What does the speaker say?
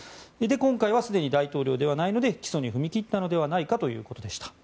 今回はすでに大統領ではないので起訴に踏み切ったのではないかということでした。